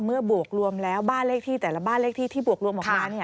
บวกรวมแล้วบ้านเลขที่แต่ละบ้านเลขที่ที่บวกรวมออกมา